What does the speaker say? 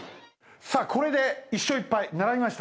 さあこれで１勝１敗並びました。